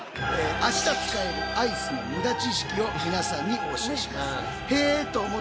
明日使えるアイスのムダ知識を皆さんにお教えします。